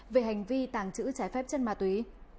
về hành vi tàng trữ trái phép chất ma túy